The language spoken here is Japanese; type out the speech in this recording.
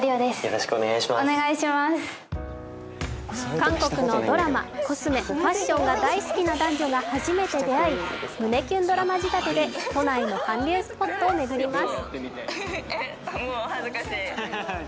韓国のドラマ、コスメ、ファッションが大好きな男女が初めて出会い、胸キュンドラマ仕立てで都内の韓流スポットを巡ります。